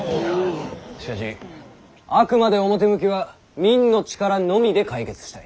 しかしあくまで表向きは民の力のみで解決したい。